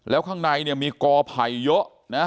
แล้วข้างในนี้มีกอไผ่เยอะ